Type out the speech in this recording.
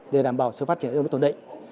để đảm bảo sự phát triển đối với tổn định